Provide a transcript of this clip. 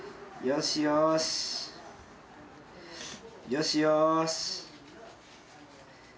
よしよし。